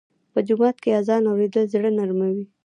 په جومات کې اذان اورېدل زړه نرموي.